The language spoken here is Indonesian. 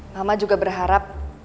mama juga berharap